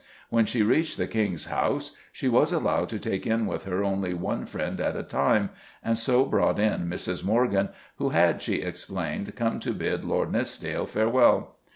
When she reached the King's House she was allowed to take in with her only one friend at a time, and so brought in Mrs. Morgan, who had, she explained, come to bid Lord Nithsdale farewell.